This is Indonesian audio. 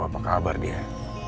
apa kabar dia